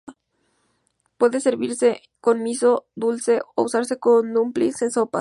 Puede servirse con "miso" dulce o usarse como "dumplings" en sopas.